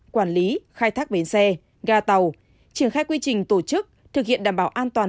quản lý khai thác bến xe ga tàu triển khai quy trình tổ chức thực hiện đảm bảo an toàn